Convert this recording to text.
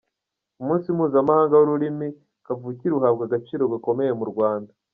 Umunsi Mpuzamahanga w’Ururimi Kavukire uhabwa agaciro gakomeye mu Rwanda.